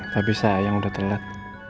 tapi sayang udah telat